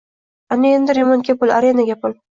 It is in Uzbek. Ana endi remontga pul, arendaga pul